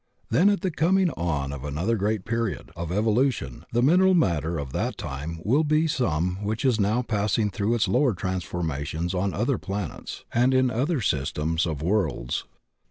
Then at the coming on of another great period of evolution the minerd matter of that time wiU be some which is now passing through its lower transformations on other planets and in other systems of worlds.